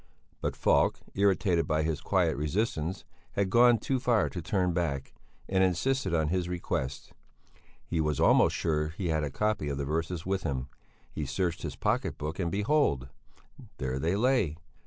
But Falk, irritated by his quiet resistance, had gone too far to turn back, and insisted on his request. He was almost sure that he had a copy of the verses with him; he searched his pocket book and behold! There they lay.